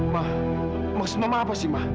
ma maksudnya apa sih ma